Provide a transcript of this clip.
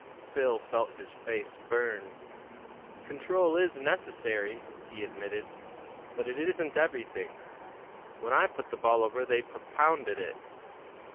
Phil felt his face burn. "Control is necessary," he admitted; "but it isn't everything. When I put the ball over, they pup pounded it."